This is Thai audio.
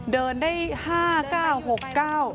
เดินได้๕๖เก้า